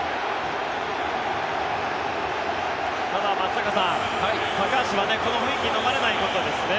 ただ松坂さん、高橋はこの雰囲気にのまれないことですね。